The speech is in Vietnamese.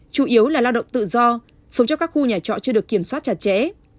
chủ yếu là lao động tự do sống trong các khu nhà trọ chưa được kiểm soát chặt chẽ